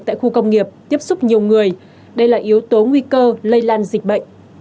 tại khu công nghiệp tiếp xúc nhiều người đây là yếu tố nguy cơ lây lan dịch bệnh